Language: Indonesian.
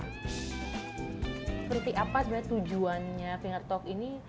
seperti apa sebenarnya tujuannya finger talk ini